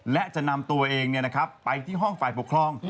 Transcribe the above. และจะนำตัวเองไปที่ห้องฝ่ายปกครอง